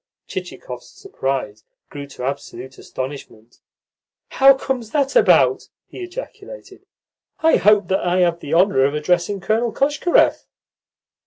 Chichikov's surprise grew to absolute astonishment. "How comes that about?" he ejaculated. "I hope that I have the honour of addressing Colonel Koshkarev?"